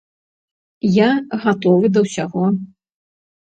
Я гатовы да ўсяго.